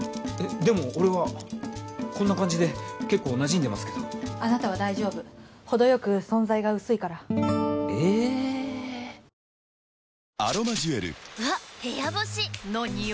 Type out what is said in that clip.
でも俺はこんな感じで結構なじんでますけどあなたは大丈夫程よく存在が薄いからえっチューハイって何か甘すぎない？